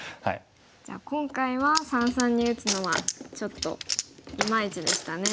じゃあ今回は三々に打つのはちょっといまいちでしたね。